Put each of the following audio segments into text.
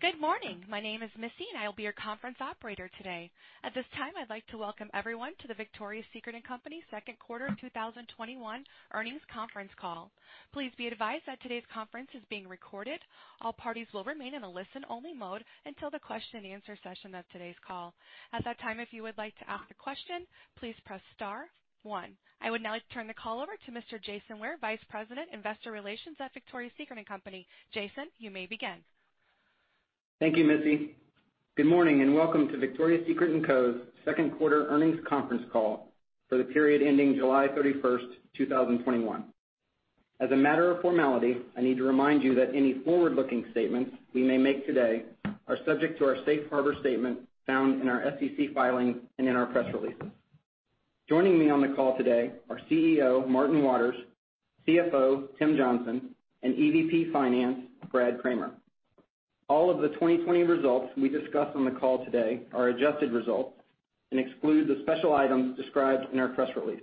Good morning. My name is Missy, and I will be your conference operator today. At this time, I'd like to welcome everyone to the Victoria's Secret & Co. Second Quarter of 2021 Earnings Conference Call. Please be advised that today's conference is being recorded. All parties will remain in a listen-only mode until the question and answer session of today's call. At that time, if you would like to ask a question, please press star one. I would now like to turn the call over to Mr. Jason Ware, Vice President, Investor Relations at Victoria's Secret & Co. Jason, you may begin. Thank you, Missy. Good morning, and welcome to Victoria's Secret & Co.'s second quarter earnings conference call for the period ending July 31st, 2021. As a matter of formality, I need to remind you that any forward-looking statements we may make today are subject to our safe harbor statement found in our SEC filings and in our press releases. Joining me on the call today are CEO Martin Waters, CFO Tim Johnson, and EVP Finance Brad Kramer. All of the 2020 results we discuss on the call today are adjusted results and exclude the special items described in our press release.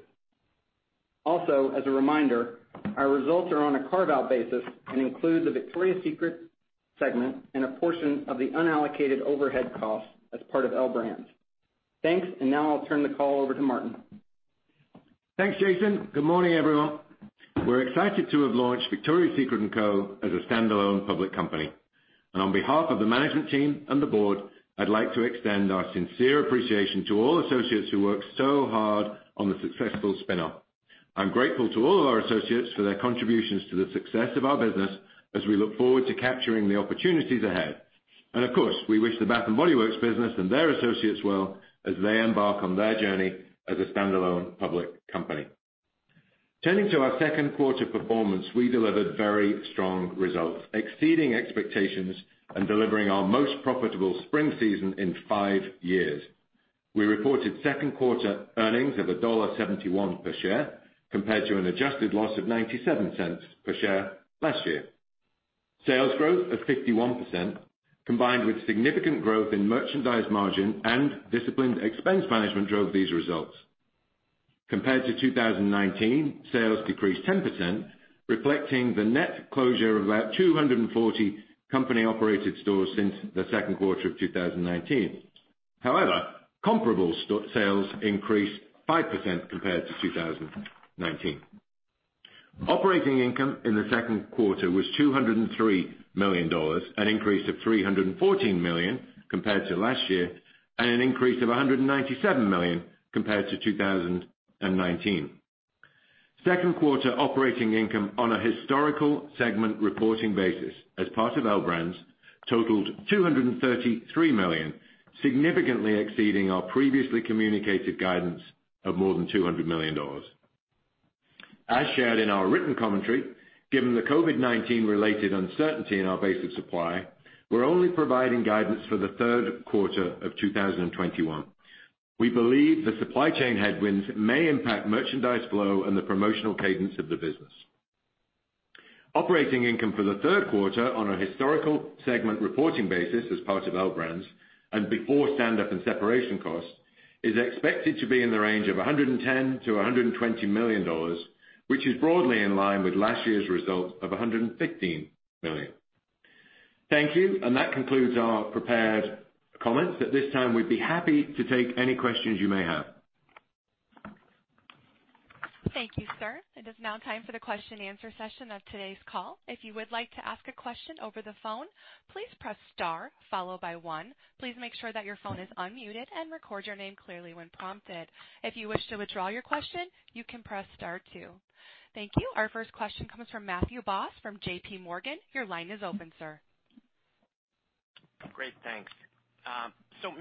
Also, as a reminder, our results are on a carve-out basis and include the Victoria's Secret segment and a portion of the unallocated overhead costs as part of L Brands. Thanks. Now I'll turn the call over to Martin. Thanks, Jason. Good morning, everyone. We're excited to have launched Victoria's Secret & Co. as a standalone public company. On behalf of the management team and the board, I'd like to extend our sincere appreciation to all associates who worked so hard on the successful spin-off. I'm grateful to all of our associates for their contributions to the success of our business as we look forward to capturing the opportunities ahead. Of course, we wish the Bath & Body Works business and their associates well as they embark on their journey as a standalone public company. Turning to our second quarter performance, we delivered very strong results, exceeding expectations and delivering our most profitable spring season in five years. We reported second quarter earnings of $1.71 per share, compared to an adjusted loss of $0.97 per share last year. Sales growth of 51%, combined with significant growth in merchandise margin and disciplined expense management drove these results. Compared to 2019, sales decreased 10%, reflecting the net closure of about 240 company-operated stores since the second quarter of 2019. However, comparable sales increased 5% compared to 2019. Operating income in the second quarter was $203 million, an increase of $314 million compared to last year, and an increase of $197 million compared to 2019. Second quarter operating income on a historical segment reporting basis as part of L Brands totaled $233 million, significantly exceeding our previously communicated guidance of more than $200 million. As shared in our written commentary, given the COVID-19 related uncertainty in our base of supply, we're only providing guidance for the third quarter of 2021. We believe the supply chain headwinds may impact merchandise flow and the promotional cadence of the business. Operating income for the third quarter on a historical segment reporting basis as part of L Brands and before stand-up and separation costs is expected to be in the range of $110 million-$120 million, which is broadly in line with last year's results of $115 million. Thank you, that concludes our prepared comments. At this time, we'd be happy to take any questions you may have. Thank you, sir. It is now time for the question and answer session of today's call. If you would like to ask a question over the phone, please press star, followed by one. Please make sure that your phone is unmuted, and record your name clearly when prompted. If you wish to withdraw your question, you can press star two. Thank you. Our first question comes from Matthew Boss from JPMorgan. Your line is open, sir. Great, thanks.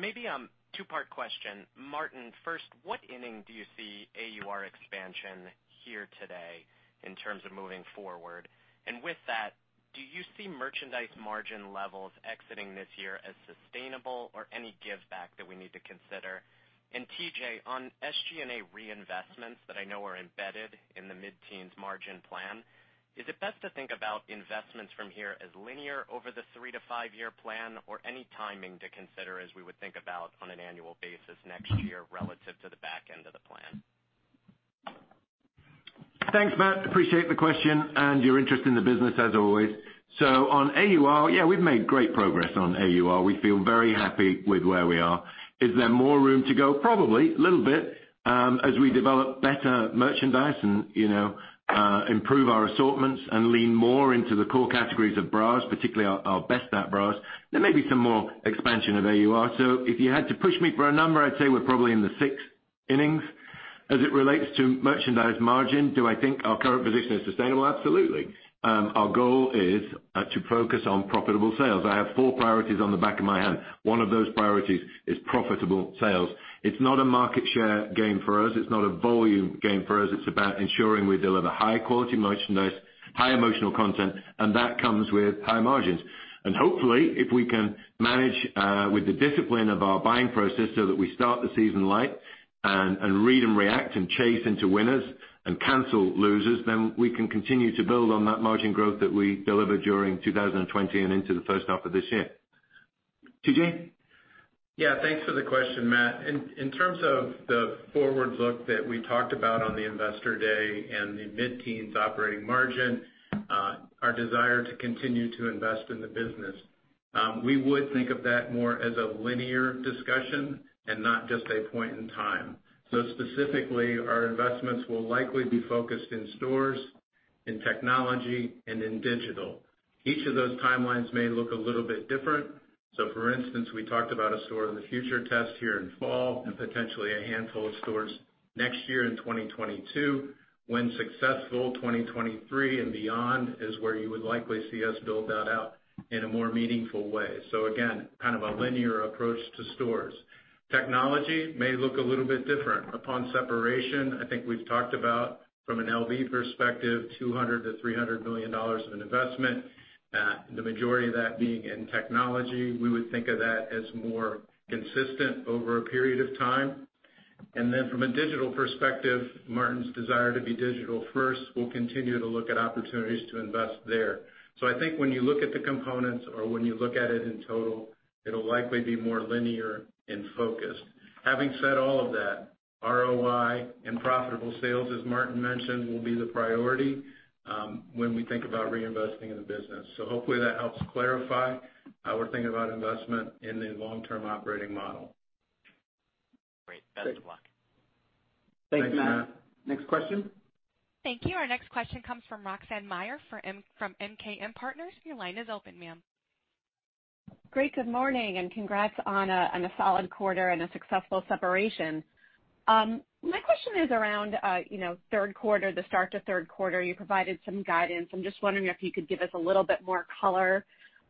Maybe a two-part question. Martin, first, what inning do you see AUR expansion here today in terms of moving forward? With that, do you see merchandise margin levels exiting this year as sustainable, or any giveback that we need to consider? TJ, on SGA reinvestments that I know are embedded in the mid-teens margin plan, is it best to think about investments from here as linear over the three-five-year plan or any timing to consider as we would think about on an annual basis next year relative to the back end of the plan? Thanks, Matt. Appreciate the question and your interest in the business as always. On AUR, yeah, we've made great progress on AUR. We feel very happy with where we are. Is there more room to go? Probably, a little bit. As we develop better merchandise and improve our assortments and lean more into the core categories of bras, particularly our best at bras, there may be some more expansion of AUR. If you had to push me for a number, I'd say we're probably in the sixth innings. As it relates to merchandise margin, do I think our current position is sustainable? Absolutely. Our goal is to focus on profitable sales. I have four priorities on the back of my hand. One of those priorities is profitable sales. It's not a market share game for us. It's not a volume game for us. It's about ensuring we deliver high-quality merchandise, high emotional content, and that comes with high margins. Hopefully, if we can manage with the discipline of our buying process so that we start the season light and read and react and chase into winners and cancel losers, then we can continue to build on that margin growth that we delivered during 2020 and into the first half of this year. TJ? Thanks for the question, Matt. In terms of the forward look that we talked about on the investor day and the mid-teens operating margin, our desire to continue to invest in the business, we would think of that more as a linear discussion and not just a point in time. Specifically, our investments will likely be focused in stores, in technology, and in digital. Each of those timelines may look a little bit different. For instance, we talked about a store of the future test here in fall and potentially a handful of stores next year in 2022. When successful, 2023 and beyond is where you would likely see us build that out in a more meaningful way. Again, kind of a linear approach to stores. Technology may look a little bit different. Upon separation, I think we've talked about, from a LB perspective, $200 million-$300 million of an investment, the majority of that being in technology. We would think of that as more consistent over a period of time. From a digital perspective, Martin's desire to be digital first, we'll continue to look at opportunities to invest there. I think when you look at the components or when you look at it in total, it'll likely be more linear and focused. Having said all of that, ROI and profitable sales, as Martin mentioned, will be the priority, when we think about reinvesting in the business. Hopefully that helps clarify how we're thinking about investment in the long-term operating model. Great. Best of luck. Thanks, Matt. Next question. Thank you. Our next question comes from Roxanne Meyer from MKM Partners. Your line is open, ma'am. Great. Good morning, and congrats on a solid quarter and a successful separation. My question is around third quarter, the start to third quarter. You provided some guidance. I'm just wondering if you could give us a little bit more color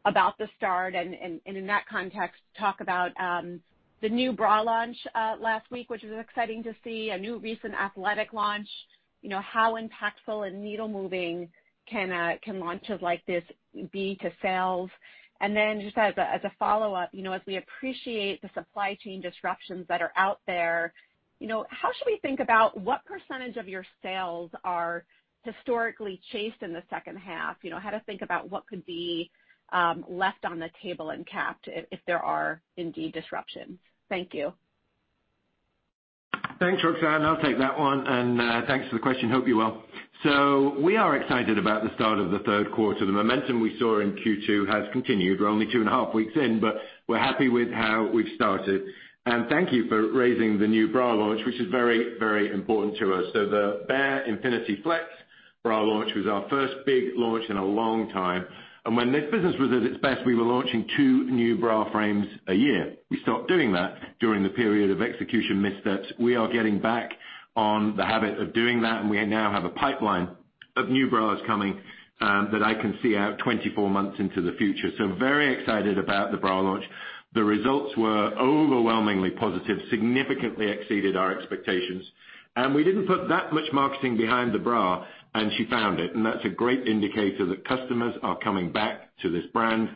about the start and, in that context, talk about the new bra launch last week, which is exciting to see, a new recent athletic launch. How impactful and needle-moving can launches like this be to sales? Just as a follow-up, as we appreciate the supply chain disruptions that are out there, how should we think about what percentage of your sales are historically chased in the second half? How should we think about what could be left on the table and capped if there are indeed disruptions. Thank you. Thanks, Roxanne. I'll take that one, and thanks for the question. Hope you're well. We are excited about the start of the third quarter. The momentum we saw in Q2 has continued. We're only two and a half weeks in, but we're happy with how we've started. Thank you for raising the new bra launch, which is very important to us. The Bare Infinity Flex bra launch was our first big launch in a long time, and when this business was at its best, we were launching two new bra frames a year. We stopped doing that during the period of execution missteps. We are getting back on the habit of doing that, and we now have a pipeline of new bras coming, that I can see out 24 months into the future. Very excited about the bra launch. The results were overwhelmingly positive, significantly exceeded our expectations, and we didn't put that much marketing behind the bra, and she found it. That's a great indicator that customers are coming back to this brand.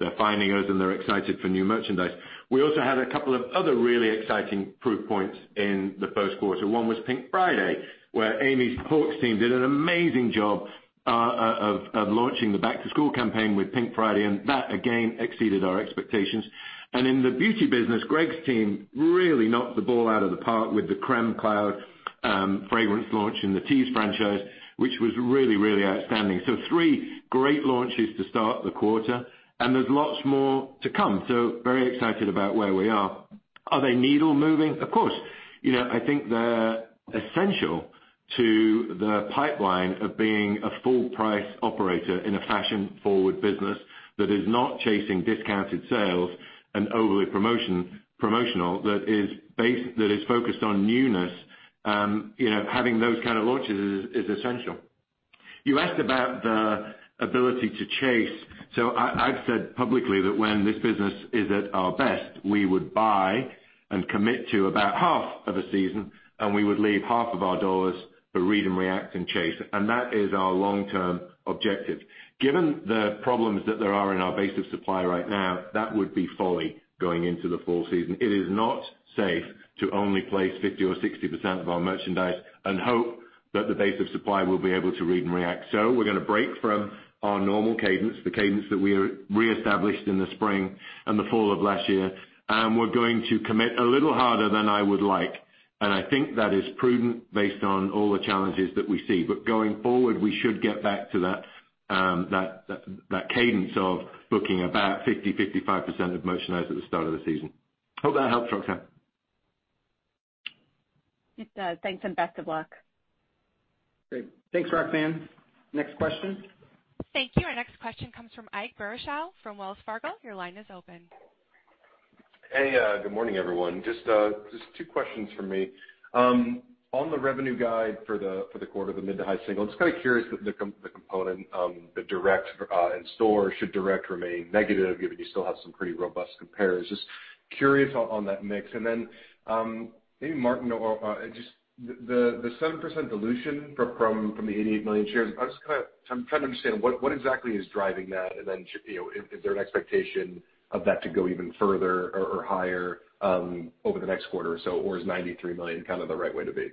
They're finding us, and they're excited for new merchandise. We also had a couple of other really exciting proof points in the first quarter. One was Pink Friday, where Amy Hauk team did an amazing job of launching the back-to-school campaign with Pink Friday, and that again exceeded our expectations. In the beauty business, Greg's team really knocked the ball out of the park with the Crème Cloud fragrance launch in the Tease franchise, which was really outstanding. Three great launches to start the quarter, and there's lots more to come. Very excited about where we are. Are they needle moving? Of course. I think they're essential to the pipeline of being a full-price operator in a fashion-forward business that is not chasing discounted sales and overly promotional, that is focused on newness. Having those kind of launches is essential. You asked about the ability to chase. I've said publicly that when this business is at our best, we would buy and commit to about half of a season, and we would leave half of our doors to read and react and chase, and that is our long-term objective. Given the problems that there are in our base of supply right now, that would be folly going into the fall season. It is not safe to only place 50% or 60% of our merchandise and hope that the base of supply will be able to read and react. We're going to break from our normal cadence, the cadence that we re-established in the spring and the fall of last year. We're going to commit a little harder than I would like, and I think that is prudent based on all the challenges that we see. Going forward, we should get back to that cadence of booking about 50%, 55% of merchandise at the start of the season. Hope that helps, Roxanne. It does. Thanks, and best of luck. Great. Thanks, Roxanne. Next question. Thank you. Our next question comes from Ike Boruchow from Wells Fargo. Your line is open. Hey, good morning, everyone. Just two questions from me. On the revenue guide for the quarter, the mid to high single, just kind of curious the component, the direct in store, should direct remain negative given you still have some pretty robust compares. Just curious on that mix. Then, maybe Martin or just the 7% dilution from the 88 million shares. I'm trying to understand what exactly is driving that, and then, is there an expectation of that to go even further or higher, over the next quarter or so, or is 93 million kind of the right way to be?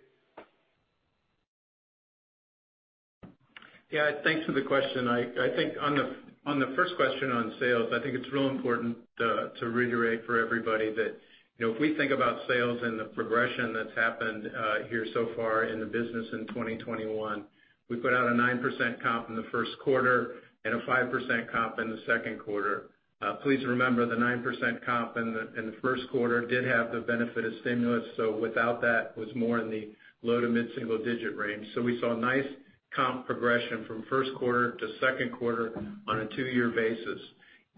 Yeah. Thanks for the question. I think on the first question on sales, I think it's real important to reiterate for everybody that if we think about sales and the progression that's happened here so far in the business in 2021, we put out a 9% comp in the first quarter and a 5% comp in the second quarter. Please remember, the 9% comp in the first quarter did have the benefit of stimulus, so without that, was more in the low to mid-single digit range. We saw nice comp progression from first quarter to second quarter on a two-year basis.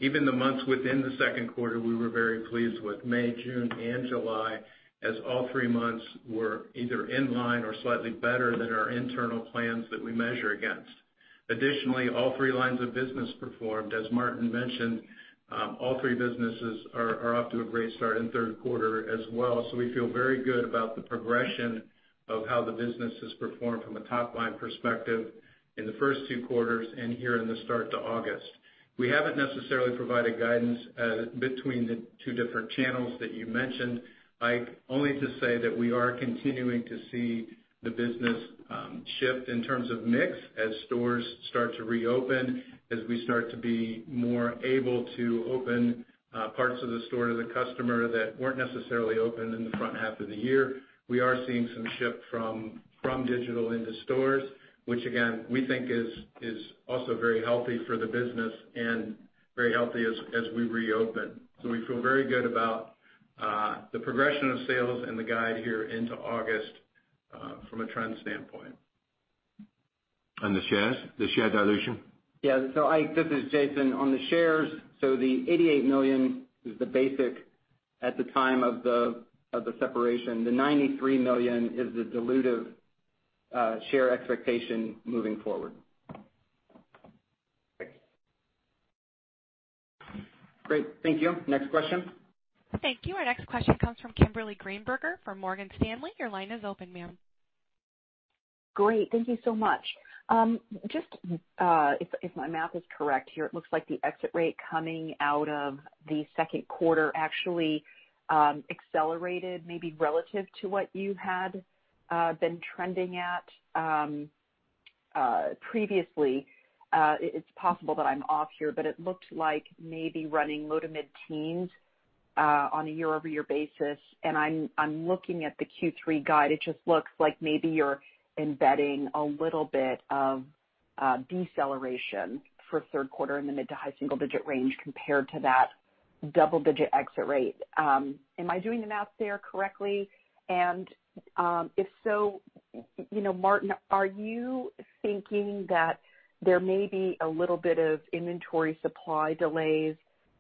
Even the months within the second quarter, we were very pleased with May, June, and July, as all three months were either in line or slightly better than our internal plans that we measure against. Additionally, all three lines of business performed, as Martin mentioned. All three businesses are off to a great start in third quarter as well. We feel very good about the progression of how the business has performed from a top-line perspective in the first two quarters and here in the start to August. We haven't necessarily provided guidance between the two different channels that you mentioned, Ike, only to say that we are continuing to see the business shift in terms of mix as stores start to reopen, as we start to be more able to open parts of the store to the customer that weren't necessarily open in the front half of the year. We are seeing some shift from digital into stores, which again, we think is also very healthy for the business and very healthy as we reopen. We feel very good about the progression of sales and the guide here into August from a trend standpoint. The shares? The share dilution? Yeah. Ike, this is Jason. On the shares, the $88 million is the basic at the time of the separation. The $93 million is the dilutive share expectation moving forward. Great. Thank you. Next question. Thank you. Our next question comes from Kimberly Greenberger from Morgan Stanley. Your line is open, ma'am. Great. Thank you so much. If my math is correct here, it looks like the exit rate coming out of the second quarter actually accelerated, maybe relative to what you had been trending at previously. It's possible that I'm off here, but it looked like maybe running low to mid-teens on a year-over-year basis, and I'm looking at the Q3 guide. It just looks like maybe you're embedding a little bit of deceleration for third quarter in the mid to high single digit range compared to that double digit exit rate. Am I doing the math there correctly? If so, Martin, are you thinking that there may be a little bit of inventory supply delays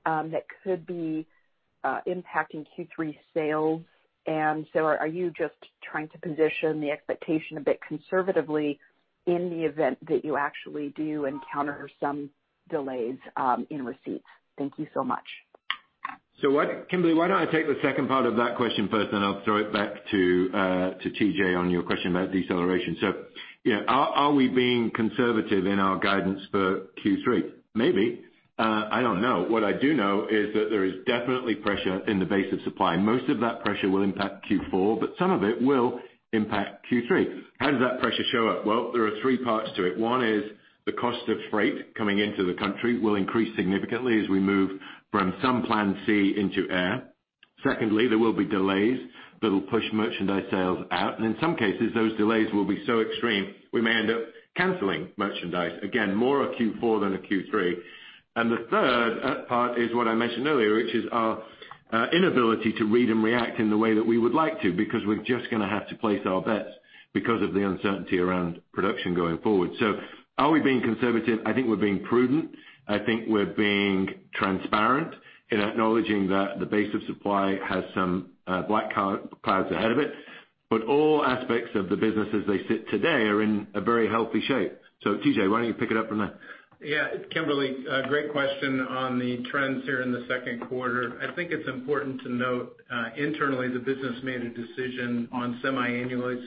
that could be impacting Q3 sales? Are you just trying to position the expectation a bit conservatively in the event that you actually do encounter some delays in receipts? Thank you so much. Kimberly, why don't I take the second part of that question first, then I'll throw it back to TJ on your question about deceleration. Yeah, are we being conservative in our guidance for Q3? Maybe. I don't know. What I do know is that there is definitely pressure in the base of supply. Most of that pressure will impact Q4, but some of it will impact Q3. How does that pressure show up? Well, there are three parts to it. One is the cost of freight coming into the country will increase significantly as we move from some plan C into air. Secondly, there will be delays that'll push merchandise sales out, and in some cases, those delays will be so extreme, we may end up canceling merchandise. Again, more a Q4 than a Q3. The third part is what I mentioned earlier, which is our inability to read and react in the way that we would like to because we're just going to have to place our bets because of the uncertainty around production going forward. Are we being conservative? I think we're being prudent. I think we're being transparent in acknowledging that the base of supply has some black clouds ahead of it, but all aspects of the business as they sit today are in a very healthy shape. TJ, why don't you pick it up from there? Yeah. Kimberly, great question on the trends here in the second quarter. I think it's important to note, internally, the business made a decision on Semi-Annual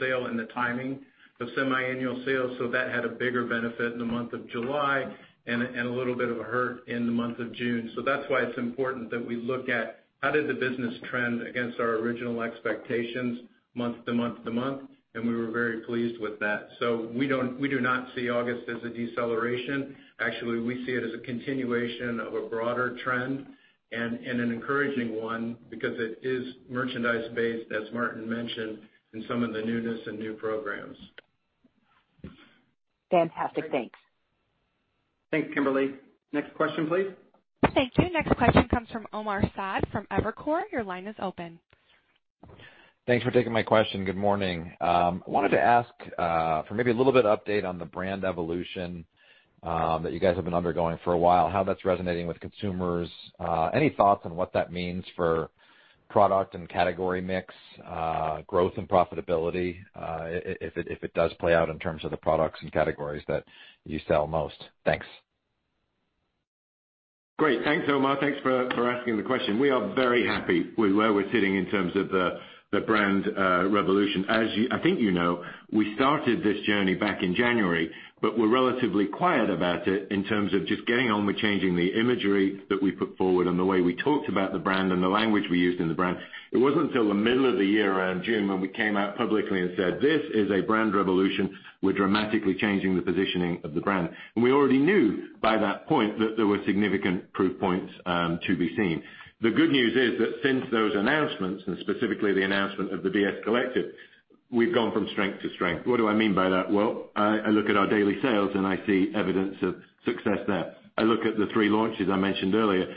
Sale and the timing of Semi-Annual Sale. That had a bigger benefit in the month of July and a little bit of a hurt in the month of June. That's why it's important that we look at how did the business trend against our original expectations month to month to month, and we were very pleased with that. We do not see August as a deceleration. Actually, we see it as a continuation of a broader trend and an encouraging one because it is merchandise-based, as Martin mentioned, and some of the newness and new programs. Fantastic. Thanks. Thanks, Kimberly. Next question, please. Thank you. Next question comes from Omar Saad from Evercore. Your line is open. Thanks for taking my question. Good morning. I wanted to ask for maybe a little bit of update on the brand evolution that you guys have been undergoing for a while, how that's resonating with consumers. Any thoughts on what that means for product and category mix, growth, and profitability, if it does play out in terms of the products and categories that you sell most? Thanks. Great. Thanks, Omar. Thanks for asking the question. We are very happy with where we're sitting in terms of the brand revolution. As I think you know, we started this journey back in January, but were relatively quiet about it in terms of just getting on with changing the imagery that we put forward and the way we talked about the brand and the language we used in the brand. It wasn't till the middle of the year, around June, when we came out publicly and said, "This is a brand revolution. We're dramatically changing the positioning of the brand." We already knew by that point that there were significant proof points to be seen. The good news is that since those announcements, and specifically the announcement of the VS Collective. We've gone from strength to strength. What do I mean by that? Well, I look at our daily sales, I see evidence of success there. I look at the three launches I mentioned earlier,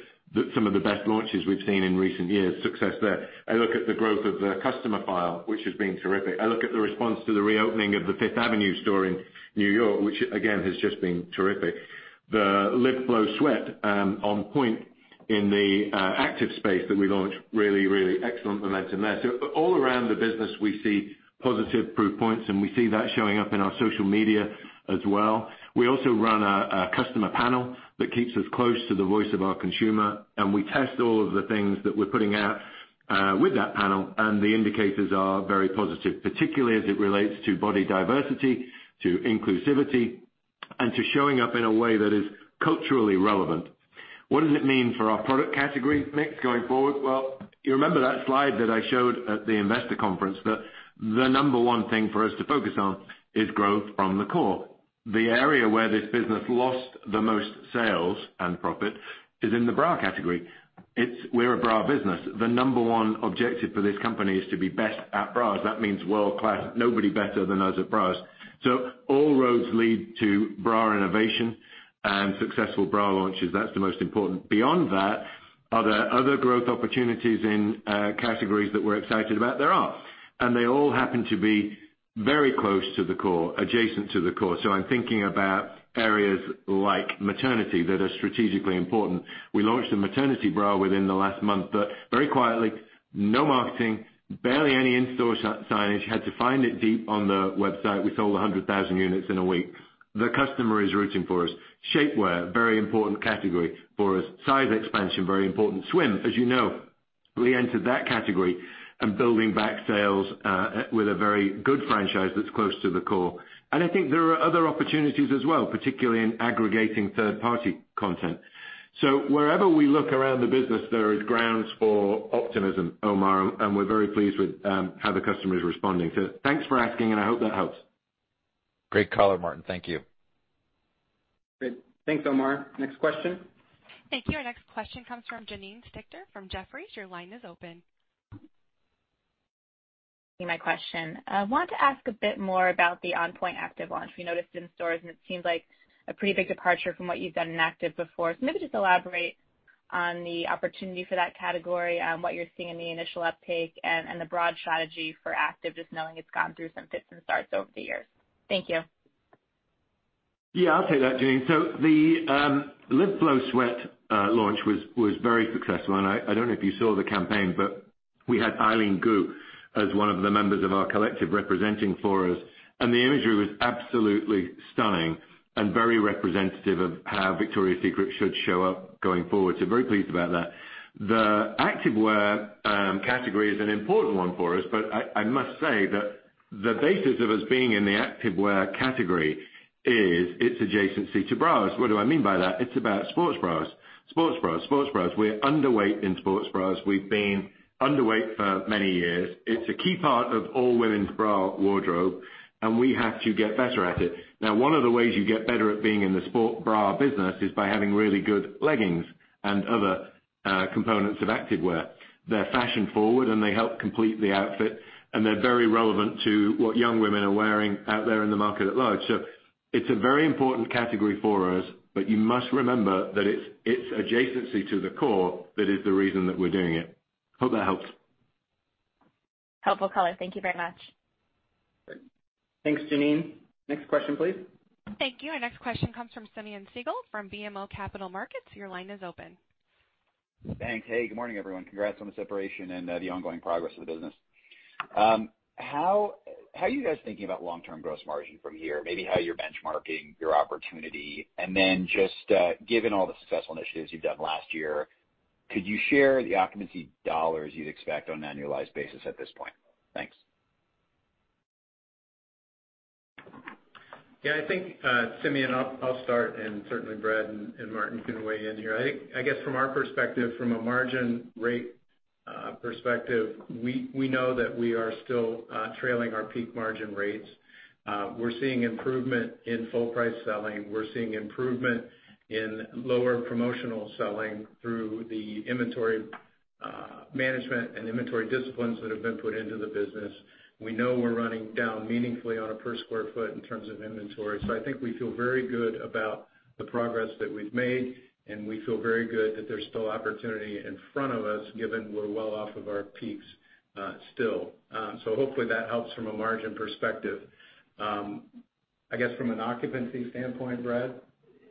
some of the best launches we've seen in recent years, success there. I look at the growth of the customer file, which has been terrific. I look at the response to the reopening of the Fifth Avenue store in New York, which again, has just been terrific. The Live Flow Sweat On Point in the active space that we launched, really excellent momentum there. All around the business, we see positive proof points, we see that showing up in our social media as well. We also run a customer panel that keeps us close to the voice of our consumer, and we test all of the things that we're putting out with that panel, and the indicators are very positive, particularly as it relates to body diversity, to inclusivity, and to showing up in a way that is culturally relevant. What does it mean for our product category mix going forward? Well, you remember that slide that I showed at the investor conference, that the number one thing for us to focus on is growth from the core. The area where this business lost the most sales and profit is in the bra category. We're a bra business. The number one objective for this company is to be best at bras. That means world-class, nobody better than us at bras. All roads lead to bra innovation and successful bra launches. That's the most important. Beyond that, are there other growth opportunities in categories that we're excited about? There are. They all happen to be very close to the core, adjacent to the core. I'm thinking about areas like maternity that are strategically important. We launched a maternity bra within the last month, but very quietly, no marketing, barely any in-store signage. You had to find it deep on the website. We sold 100,000 units in a week. The customer is rooting for us. Shapewear, very important category for us. Size expansion, very important. Swim, as you know, we entered that category and building back sales with a very good franchise that's close to the core. I think there are other opportunities as well, particularly in aggregating third-party content. Wherever we look around the business, there is grounds for optimism, Omar, and we're very pleased with how the customer is responding. Thanks for asking, and I hope that helps. Great color, Martin. Thank you. Great. Thanks, Omar. Next question. Thank you. Our next question comes from Janine Stichter from Jefferies. Your line is open. My question. I want to ask a bit more about the On Point active launch. We noticed in stores, and it seems like a pretty big departure from what you've done in active before. Maybe just elaborate on the opportunity for that category, what you're seeing in the initial uptake and the broad strategy for active, just knowing it's gone through some fits and starts over the years. Thank you. Yeah, I'll take that, Janine. The Live Flow Sweat launch was very successful, and I don't know if you saw the campaign, but we had Eileen Gu as one of the members of our Collective representing for us, and the imagery was absolutely stunning and very representative of how Victoria's Secret should show up going forward. Very pleased about that. The activewear category is an important one for us, but I must say that the basis of us being in the activewear category is its adjacency to bras. What do I mean by that? It's about sports bras. We're underweight in sports bras. We've been underweight for many years. It's a key part of all women's bra wardrobe, and we have to get better at it. One of the ways you get better at being in the sport bra business is by having really good leggings and other components of activewear. They're fashion-forward, they help complete the outfit, and they're very relevant to what young women are wearing out there in the market at large. It's a very important category for us, but you must remember that it's adjacency to the core that is the reason that we're doing it. Hope that helps. Helpful color. Thank you very much. Great. Thanks, Janine. Next question, please. Thank you. Our next question comes from Simeon Siegel from BMO Capital Markets. Your line is open. Thanks. Hey, good morning, everyone. Congrats on the separation and the ongoing progress of the business. How are you guys thinking about long-term gross margin from here? Maybe how you're benchmarking your opportunity, and then just given all the successful initiatives you've done last year, could you share the occupancy dollars you'd expect on an annualized basis at this point? Thanks. Yeah, I think, Simeon, I'll start. Certainly Brad and Martin can weigh in here. I think, I guess from our perspective, from a margin rate perspective, we know that we are still trailing our peak margin rates. We're seeing improvement in full price selling. We're seeing improvement in lower promotional selling through the inventory management and inventory disciplines that have been put into the business. We know we're running down meaningfully on a per square foot in terms of inventory. I think we feel very good about the progress that we've made, and we feel very good that there's still opportunity in front of us, given we're well off of our peaks still. Hopefully that helps from a margin perspective. I guess from an occupancy standpoint, Brad?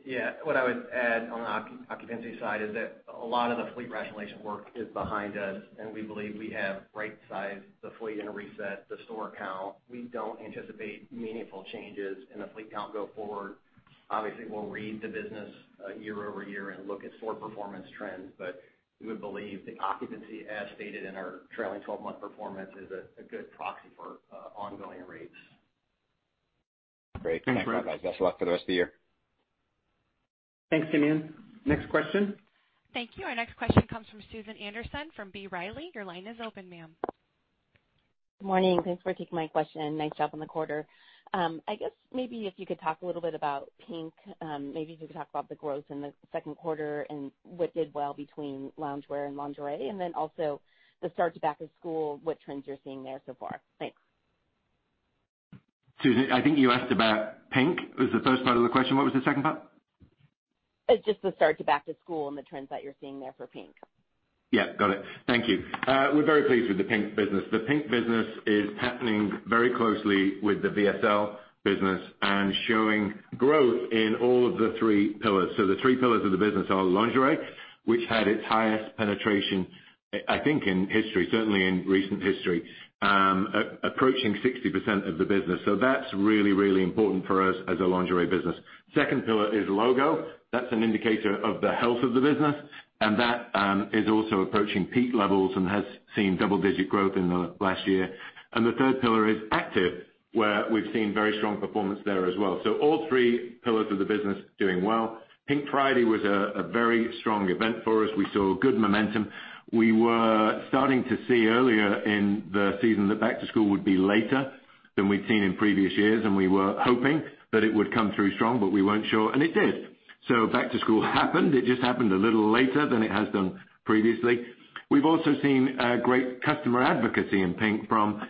Yeah. What I would add on the occupancy side is that a lot of the fleet rationalization work is behind us, and we believe we have right-sized the fleet and reset the store count. We don't anticipate meaningful changes in the fleet count go forward. Obviously, we'll read the business year-over-year and look at store performance trends, but we would believe that occupancy, as stated in our trailing 12-month performance, is a good proxy for ongoing rates. Great. Thanks, guys. Best of luck for the rest of the year. Thanks, Simeon. Next question. Thank you. Our next question comes from Susan Anderson from B. Riley. Your line is open, ma'am. Good morning. Thanks for taking my question. Nice job on the quarter. I guess maybe if you could talk a little bit about PINK, maybe if you could talk about the growth in the second quarter and what did well between loungewear and lingerie, and then also the start to back-to-school, what trends you're seeing there so far. Thanks. Susan, I think you asked about PINK, was the first part of the question. What was the second part? Just the start to back to school and the trends that you're seeing there for PINK. Got it. Thank you. We're very pleased with the PINK business. The PINK business is happening very closely with the VSL business and showing growth in all of the three pillars. The three pillars of the business are lingerie, which had its highest penetration, I think, in history, certainly in recent history, approaching 60% of the business. That's really, really important for us as a lingerie business. Second pillar is logo. That's an indicator of the health of the business, and that is also approaching peak levels and has seen double-digit growth in the last year. The third pillar is active, where we've seen very strong performance there as well. All three pillars of the business doing well. Pink Friday was a very strong event for us. We saw good momentum. We were starting to see earlier in the season that back to school would be later than we'd seen in previous years, and we were hoping that it would come through strong, but we weren't sure, and it did. Back to school happened. It just happened a little later than it has done previously. We've also seen great customer advocacy in PINK from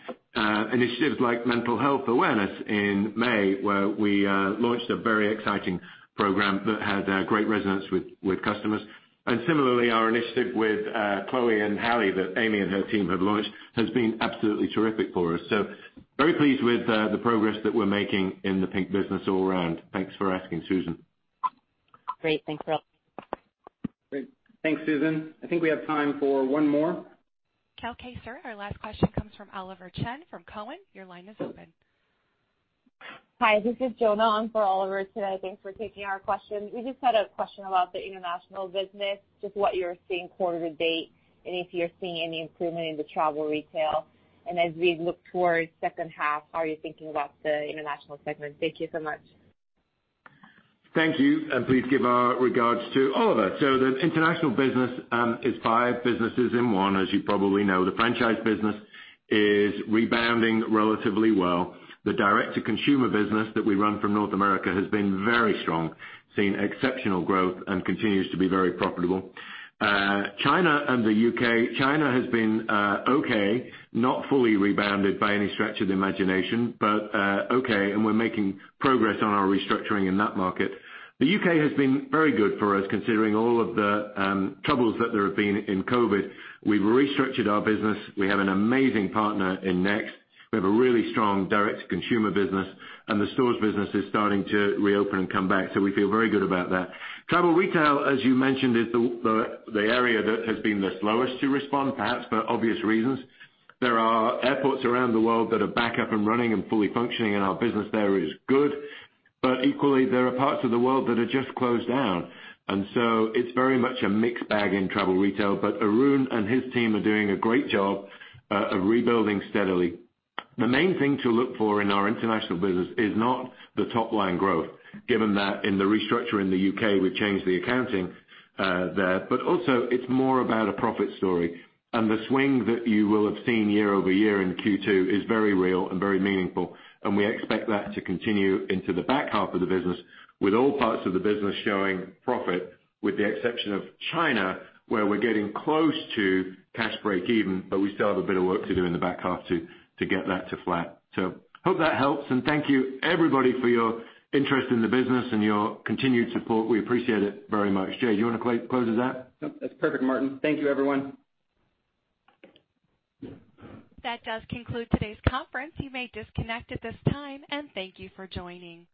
initiatives like mental health awareness in May, where we launched a very exciting program that had great resonance with customers. Similarly, our initiative with Chloe x Halle that Amy and her team have launched has been absolutely terrific for us. Very pleased with the progress that we're making in the PINK business all around. Thanks for asking, Susan. Great. Thanks, Martin. Great. Thanks, Susan. I think we have time for one more. [inaudible] our last question comes from Oliver Chen from Cowen. Your line is open. Hi, this is Jonah on for Oliver today. Thanks for taking our question. We just had a question about the international business, just what you're seeing quarter to date, and if you're seeing any improvement in the travel retail. As we look towards second half, how are you thinking about the international segment? Thank you so much. Thank you. Please give our regards to Oliver. The international business is five businesses in one. As you probably know, the franchise business is rebounding relatively well. The direct-to-consumer business that we run from North America has been very strong, seeing exceptional growth and continues to be very profitable. China and the U.K., China has been okay, not fully rebounded by any stretch of the imagination, but okay. We're making progress on our restructuring in that market. The U.K. has been very good for us, considering all of the troubles that there have been in COVID-19. We've restructured our business. We have an amazing partner in Next. We have a really strong direct consumer business, and the stores business is starting to reopen and come back. We feel very good about that. Travel retail, as you mentioned, is the area that has been the slowest to respond, perhaps for obvious reasons. There are airports around the world that are back up and running and fully functioning, and our business there is good. Equally, there are parts of the world that are just closed down. It's very much a mixed bag in travel retail. Arun and his team are doing a great job of rebuilding steadily. The main thing to look for in our international business is not the top line growth, given that in the restructure in the U.K., we've changed the accounting there. Also it's more about a profit story. The swing that you will have seen year-over-year in Q2 is very real and very meaningful, and we expect that to continue into the back half of the business with all parts of the business showing profit, with the exception of China, where we're getting close to cash break even, but we still have a bit of work to do in the back half to get that to flat. Hope that helps. Thank you, everybody, for your interest in the business and your continued support. We appreciate it very much. Jay, do you want to close with that? Nope, that's perfect, Martin. Thank you, everyone. That does conclude today's conference. You may disconnect at this time, and thank you for joining.